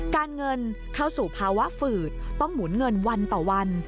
การเงินเข้าสู่ภาวะฝืดต้องหมุนเงินวันต่อวัน